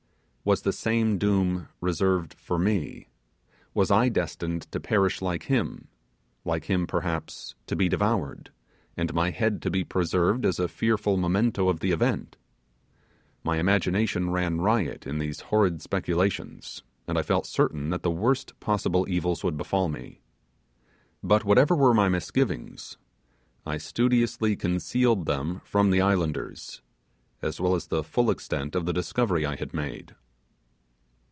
Was the same doom reserved for me? Was I destined to perish like him like him perhaps, to be devoured and my head to be preserved as a fearful memento of the events? My imagination ran riot in these horrid speculations, and I felt certain that the worst possible evils would befall me. But whatever were my misgivings, I studiously concealed them from the islanders, as well as the full extent of the discovery I had made.